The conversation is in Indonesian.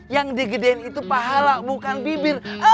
yang digedein itu pahala bukan bibir